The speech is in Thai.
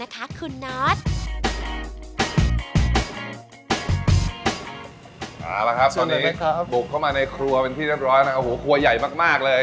เอาละครับตอนนี้บุกเข้ามาในครัวเป็นที่เรียบร้อยนะครับโอ้โหครัวใหญ่มากเลย